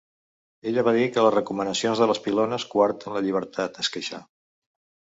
Ella va dir que les recomanacions de les pilones coarten la llibertat, es queixa.